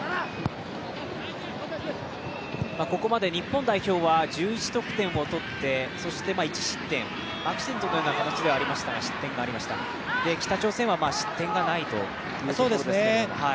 ここまで日本代表は、１１得点を取って１失点、アクシデントのような形ではありましたが失点がありました、北朝鮮は失点がないということですが。